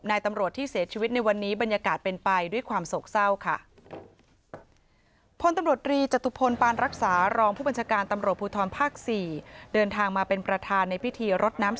นายตำรวจที่เสียชีวิตในวันนี้บรรยากาศเป็นไป